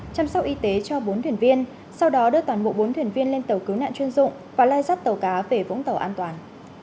chăm sóc y tế cho bốn thuyền viên sau đó đưa toàn bộ bốn thuyền viên lên tàu cứu nạn chuyên dụng và lai dắt tàu cá về vũng tàu an toàn